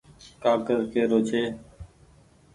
ڪآگز ڪي رو ڇي۔